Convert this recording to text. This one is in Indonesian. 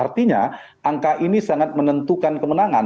artinya angka ini sangat menentukan kemenangan